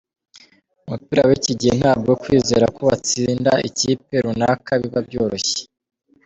Mu mupira w’iki gihe ntabwo kwizera ko watsinda ikipe runaka biba byoroshye.